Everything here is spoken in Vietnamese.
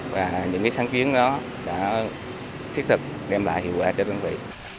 và những sáng kiến đó đã thiết thực đem lại hiệu quả cho đơn vị